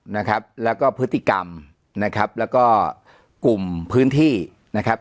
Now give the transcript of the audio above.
นะครับแล้วก็พฤติกรรมนะครับแล้วก็กลุ่มพื้นที่นะครับ